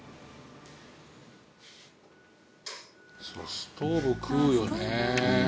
ストーブ食うよね。